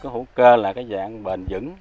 hữu cơ là dạng bền dững